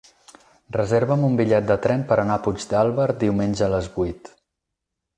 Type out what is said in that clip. Reserva'm un bitllet de tren per anar a Puigdàlber diumenge a les vuit.